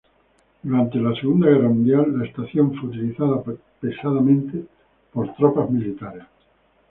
Durante la Segunda Guerra Mundial, la estación fue utilizada pesadamente por tropas militares.